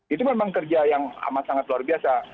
itu memang kerja yang amat sangat luar biasa